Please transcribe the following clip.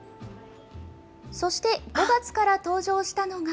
そして、５月から登場したのが。